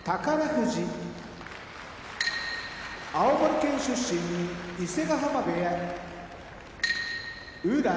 富士青森県出身伊勢ヶ濱部屋宇良